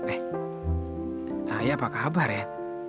eh ayu apa kabar ya